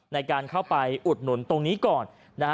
ในการเข้าไปอุดหนุนตรงนี้ก่อนนะฮะ